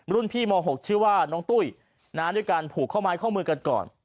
รุ่นพี่ม๖ชื่อว่าน้องตุ้ยด้วยการผูกข้อไม้ข้อมือกันก่อน